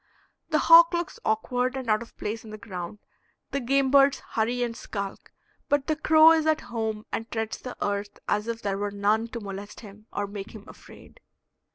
The hawk looks awkward and out of place on the ground; the game birds hurry and skulk, but the crow is at home and treads the earth as if there were none to molest him or make him afraid.